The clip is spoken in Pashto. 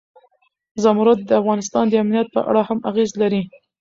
زمرد د افغانستان د امنیت په اړه هم اغېز لري.